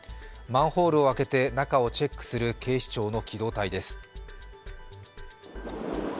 マンホールを開けて中をチェックする警視庁の機動隊です。